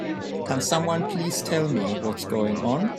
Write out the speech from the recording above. Can someone please tell me what's going on?